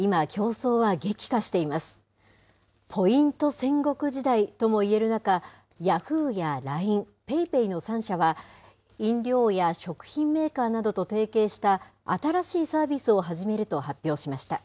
戦国時代ともいえる中、ヤフーやＬＩＮＥ、ＰａｙＰａｙの３社は、飲料や食品メーカーなどと提携した新しいサービスを始めると発表しました。